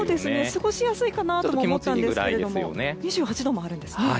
過ごしやすいかなとも思ったんですけど２８度もあるんですね。